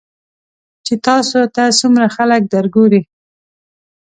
چې تاسو ته څومره خلک درګوري .